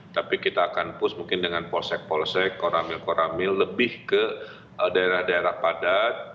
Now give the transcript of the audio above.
tapi kita akan push mungkin dengan polsek polsek koramil koramil lebih ke daerah daerah padat